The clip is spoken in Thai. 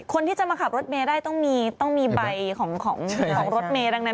คนที่จะมาขับรถเมย์ได้ต้องมีใบของรถเมย์ดังนั้น